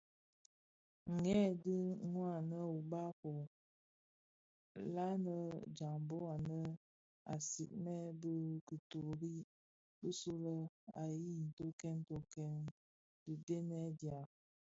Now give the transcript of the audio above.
Hei dhi wanne ubaa bō: lènni, jambhog anèn a sigmèn bi kituri bisulè ǎyi tokkèn tokkèn dhidenèn dya.